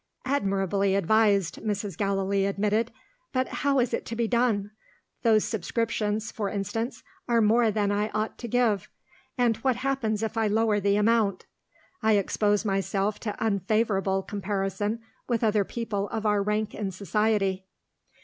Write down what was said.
"Admirably advised," Mrs. Gallilee admitted; "but how is it to be done? Those subscriptions, for instance, are more than I ought to give. And what happens if I lower the amount? I expose myself to unfavourable comparison with other people of our rank in society."